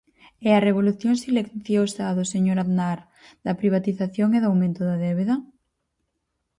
¿É a revolución silenciosa do señor Aznar, da privatización e do aumento da débeda?